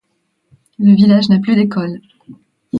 Le village n'a plus d'école.